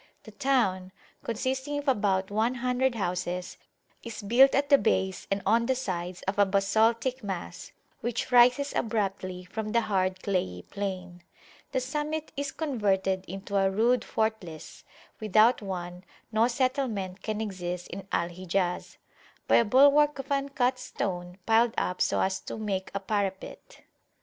The town, consisting of about one hundred houses, is built at the base and on the sides of a basaltic mass, which rises abruptly from the hard clayey plain. The summit is converted into a rude fortalicewithout one, no settlement can exist in Al Hijazby a bulwark of uncut stone, piled up so as to make a parapet.